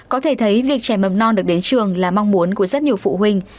có thể thấy việc trẻ mầm non được đến trường là mong muốn của rất nhiều phụ huynh